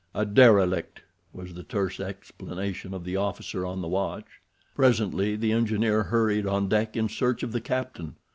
"A derelict," was the terse explanation of the officer of the watch. Presently the engineer hurried on deck in search of the captain.